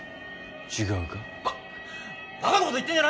ババカなこと言ってんじゃないよ。